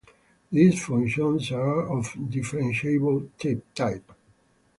These functions are of differentiable type.